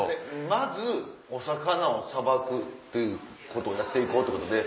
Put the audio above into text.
まずお魚を捌くということをやって行こうってことで。